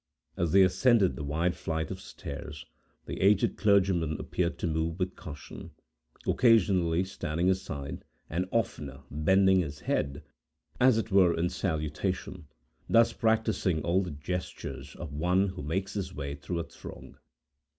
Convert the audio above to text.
As they ascended the wide flight of stairs, the aged clergyman appeared to move with caution, occasionally standing aside, and oftener bending his head, as it were in salutation, thus practising all the gestures of one who makes his way through a throng.